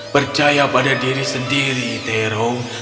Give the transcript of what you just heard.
percaya pada diri sendiri tero